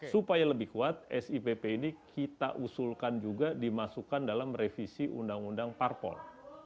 supaya lebih kuat sipp ini kita usulkan juga dimasukkan dalam revisi undang undang parpol